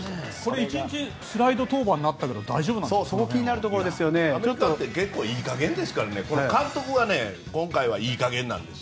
１日スライド登板になったけどアメリカって結構いい加減ですからね監督が今回はいい加減なんです。